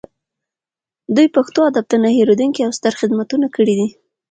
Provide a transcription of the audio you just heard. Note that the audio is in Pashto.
دوی پښتو ادب ته نه هیریدونکي او ستر خدمتونه کړي دي